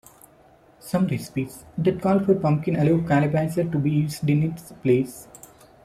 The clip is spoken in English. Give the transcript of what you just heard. Some recipes that call for pumpkin allow calabaza to be used in its place.